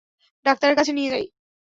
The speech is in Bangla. ডাক্তারের কাছে নিয়ে যাই?